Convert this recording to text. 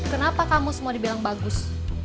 kenapa kamu semua dibilang bagus